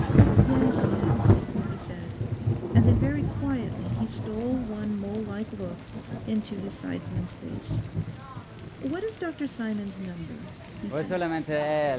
'Yes, yes,' he said. And then very quietly he stole one mole like look into his sidesman's face. 'What is Dr Simon's number?' he said.